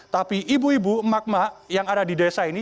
tapi ibu ibu emak emak yang ada di desa ini